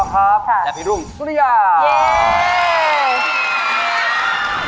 และพี่รุงซุฬิยา